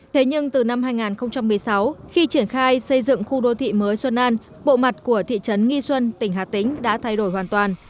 thế nhưng từ năm hai nghìn một mươi sáu khi triển khai xây dựng khu đô thị mới xuân an bộ mặt của thị trấn nghi xuân tỉnh hà tĩnh đã thay đổi hoàn toàn